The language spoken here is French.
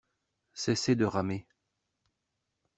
Cessez de ramer.